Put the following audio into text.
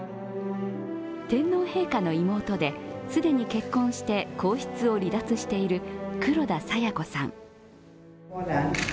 天皇陛下の妹で、既に結婚して皇室を離脱している黒田清子さん。